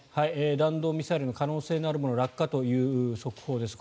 弾道ミサイルの可能性のあるものが落下という速報です。